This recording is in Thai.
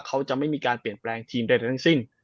เขาจะไม่มีการเปลี่ยนแปลงทีมใดทั้งสิ้น